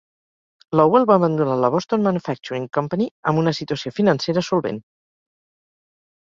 Lowell va abandonar la Boston Manufacturing Company amb una situació financera solvent.